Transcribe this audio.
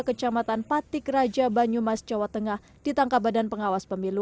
kecamatan patik raja banyumas jawa tengah ditangkap badan pengawas pemilu